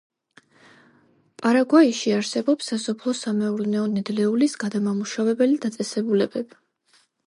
პარაგვაიში არსებობს სასოფლო სამეურნეო ნედლეულის გადამამუშავებელი დაწესებულებები.